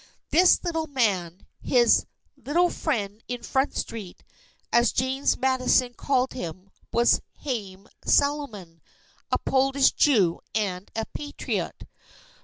This little man his "little friend in Front Street," as James Madison called him was Haym Salomon, a Polish Jew and a Patriot.